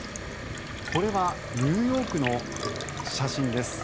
これはニューヨークの写真です。